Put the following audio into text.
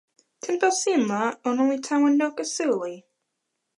tenpo sin la ona li tawa noka suli.